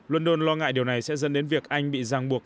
london lo ngại điều này sẽ dân đến việc anh bị giang buộc